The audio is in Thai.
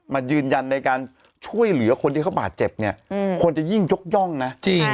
มายืนยันในการช่วยเหลือคนที่เขาบาดเจ็บเนี่ยควรจะยิ่งยกย่องนะจริง